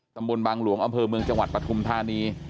ตำบลบางหลวงอำเภอเมืองจังหวัดปฐุมธานี